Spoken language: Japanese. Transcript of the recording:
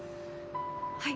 はい。